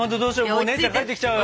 もう姉ちゃん帰ってきちゃうよ。